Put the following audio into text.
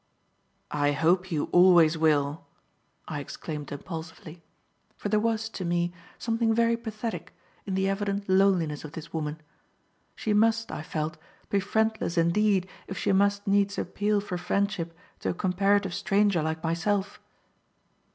"I hope you always will," I exclaimed impulsively; for there was, to me, something very pathetic in the evident loneliness of this woman. She must, I felt, be friendless indeed if she must needs appeal for friendship to a comparative stranger like myself.